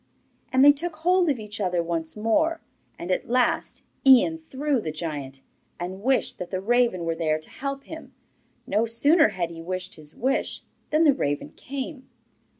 And they took hold of each other once more, and at last Ian threw the giant, and wished that the raven were there to help him. No sooner had he wished his wish than the raven came.